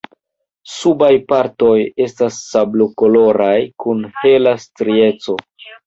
Subaj partoj estas sablokoloraj kun hela strieco.